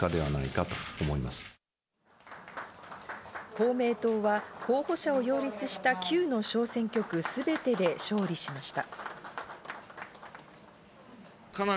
公明党は候補者を擁立した９の小選挙区すべてで勝利しました。